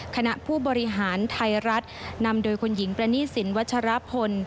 คณะผู้บริหารไทยรัฐนำโดยคุณหญิงประณีสินวัชรพล